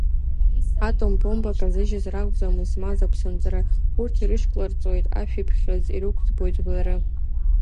Атом бомба казыжьыз ракәӡам измаз аԥсынҵры, урҭ ирышькларҵоит ашәиԥхьыӡ, ирықәӡбоит жәлары.